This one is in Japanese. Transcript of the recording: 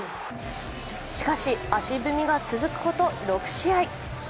しかし、足踏みが続くこと６試合。